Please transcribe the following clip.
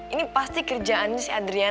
ini pasti kerjaannya si adriana